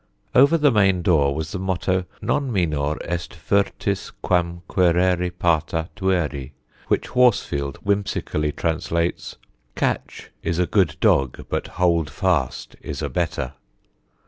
Over the main door was the motto "Non minor est virtus quam querere parta tueri," which Horsfield whimsically translates "Catch is a good dog, but Holdfast is a better."